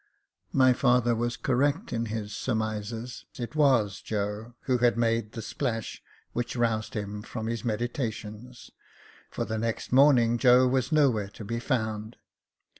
My father was correct in his surmises. It was Joe — who had made the splash which roused him from his meditations, for the next morning Joe was nowhere to be found.